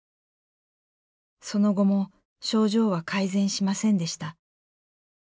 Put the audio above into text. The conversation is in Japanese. その後も症状は改善しませんでした。